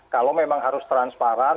kalau memang harus transparan